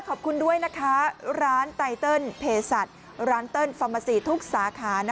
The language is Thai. ขอบคุณด้วยนะคะร้านไตเติลเพศัตริย์ร้านเติ้ลฟอร์มาซีทุกสาขา